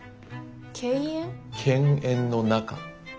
犬猿の仲。